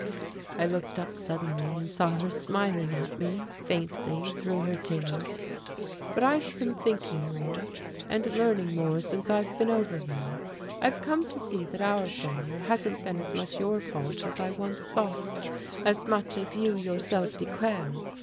I looked up suddenly and saw her smiling at me, faintly, through her tears. "But I've been thinking more, and learning more since I've been over here. I've come to see that that our failure hasn't been as much your fault as I once thought, as much as you yourself declare.